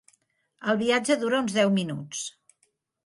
El viatge dura uns deu minuts.